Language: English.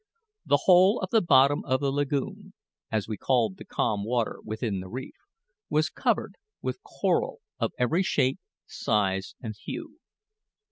The whole of the bottom of the lagoon, as we called the calm water within the reef, was covered with coral of every shape, size, and hue.